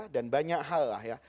dan banyak hal lah ya